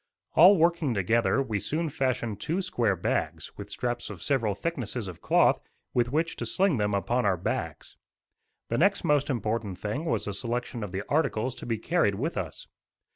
All working together, we soon fashioned two square bags, with straps of several thicknesses of cloth, with which to sling them upon our backs. The next most important thing was the selection of the articles to be carried with us.